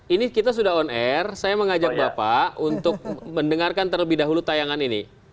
ini kita sudah on air saya mengajak bapak untuk mendengarkan terlebih dahulu tayangan ini